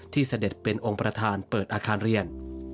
เสด็จเป็นองค์ประธานเปิดอาคารเรียน